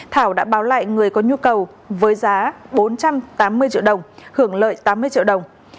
thảo đã báo lại người có nhu cầu với giá bốn trăm tám mươi triệu đồng